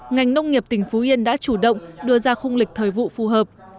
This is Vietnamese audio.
ngành nông nghiệp tỉnh phú yên đã chủ động đưa ra khung lịch thời vụ phù hợp